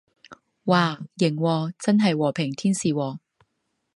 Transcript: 嘩，型喎，真係和平天使喎